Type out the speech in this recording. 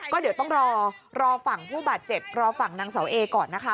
ก็เดี๋ยวต้องรอรอฝั่งผู้บาดเจ็บรอฝั่งนางเสาเอก่อนนะคะ